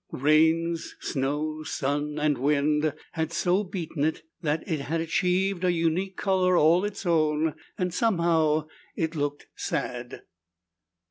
Rains, snow, sun and wind had so beaten it that it had achieved a unique color all its own and somehow it looked sad.